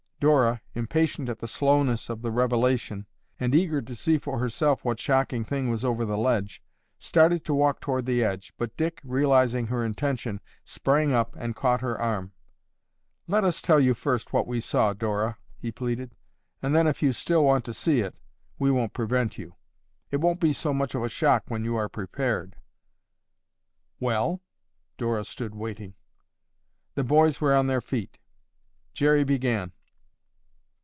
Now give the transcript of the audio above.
Dora, impatient at the slowness of the revelation, and eager to see for herself what shocking thing was over the ledge, started to walk toward the edge, but Dick, realizing her intention, sprang up and caught her arm. "Let us tell you first what we saw, Dora," he pleaded, "and then, if you still want to see it, we won't prevent you. It won't be so much of a shock when you are prepared." "Well?" Dora stood waiting. The boys were on their feet. Jerry began.